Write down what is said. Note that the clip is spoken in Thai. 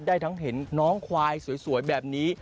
ได้ทั้งเห็นน้องควายสวยแบบนี้